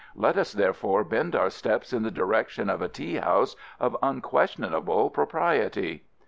Let us, therefore, bend our steps in the direction of a tea house of unquestionable propriety."